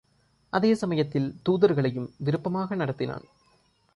அதே சமயத்தில் தூதர்களையும் விருப்பமாக நடத்தினான்.